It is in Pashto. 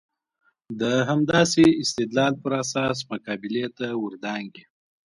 د همداسې استدلال پر اساس مقابلې ته ور دانګي.